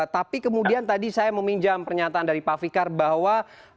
tapi kemudian tadi saya meminjam pernyataan dari pak fikar bahwa